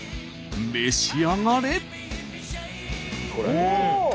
召し上がれ！